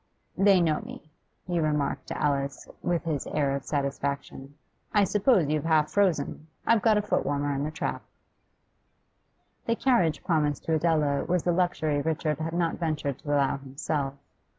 'They know me,' he remarked to Alice, with his air of satisfaction. 'I suppose you're half frozen? I've got a foot warmer in the trap.' The carriage promised to Adela was a luxury Richard had not ventured to allow himself.